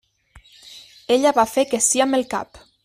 Ella va fer que sí amb el cap.